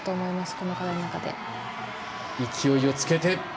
この課題の中で。